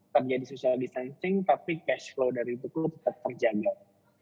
terjadi social distancing tapi cash flow dari tuku terjanggau